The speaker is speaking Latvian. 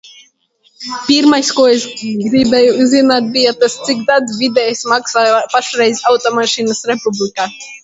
Pirmais, ko es gribēju uzzināt, bija tas, cik tad vidēji maksā pašreiz automašīna republikā.